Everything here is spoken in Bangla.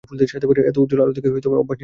এতো উজ্জ্বল আলো দেখে অভ্যাস নেই আমাদের।